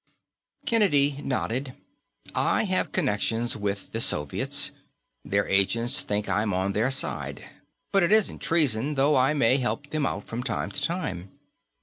Kennedy nodded. "I have connections with the Soviets; their agents think I'm on their side. But it isn't treason, though I may help them out from time to time.